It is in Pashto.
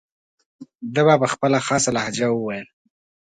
ده به په خپله خاصه لهجه وویل.